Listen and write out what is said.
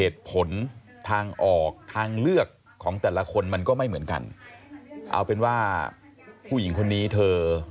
เหตุผลทางออกทางเลือกของแต่ละคนมันก็ไม่เหมือนกันเอาเป็นว่าผู้หญิงคนนี้เธอ